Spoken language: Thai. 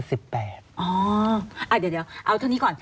อ๋อเดี๋ยวเอาทีนี้ก่อน